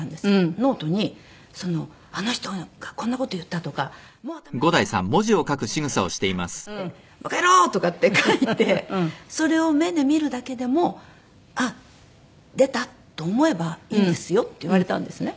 「ノートに“あの人がこんな事言った”とか“もう頭にきた！”とかって“悔しかった！”とかって“バカ野郎！”とかって書いてそれを目で見るだけでもあっ出たと思えばいいんですよ」って言われたんですね。